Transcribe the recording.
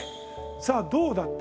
さあどうだった？